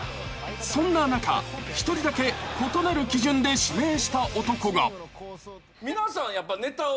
［そんな中一人だけ異なる基準で指名した男が］